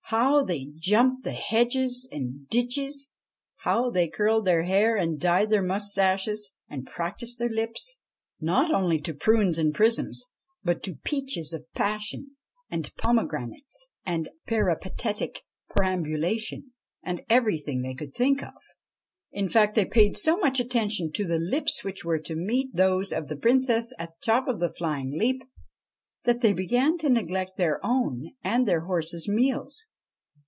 How they jumped the hedges and ditches 1 How they curled their hair and dyed their moustaches and practised their lips, not only to ' prunes and prisms,' but to ' peaches of passion ' and ' pomegranates,' and ' peripatetic perambulation ' and everything they could think of! In fact, they paid so much attention to the lips which were to meet those of the Princess at the top of the flying leap, that they began to neglect their own and their horses' meals.